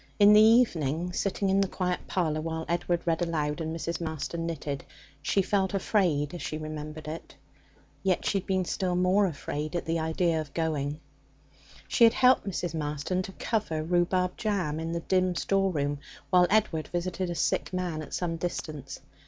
In the evening, sitting in the quiet parlour while Edward read aloud and Mrs. Marston knitted, she felt afraid as she remembered it. Yet she had been still more afraid at the idea of going. She had helped Mrs. Marston to cover rhubarb jam in the dim store room while Edward visited a sick man at some distance.